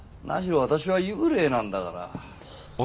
私は幽霊なんだから。